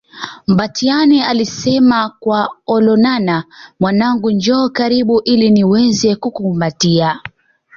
Mbatiany alisema kwa Olonana Mwanangu njoo karibu ili niweze kukukumbatia